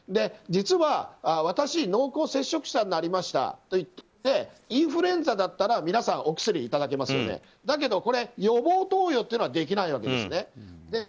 実は私、濃厚接触者になりましたと言ってインフルエンザだったら皆さんお薬をいただけますが予防投与はできないわけです。